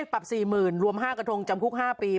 ปรับสี่หมื่นรวมห้ากระทงจำคุกห้าปี